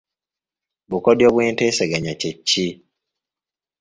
Bukodyo bw'enteesaganya kye ki?